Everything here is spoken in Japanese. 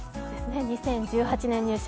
２０１８年入社。